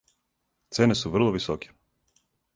Цене су врло високе.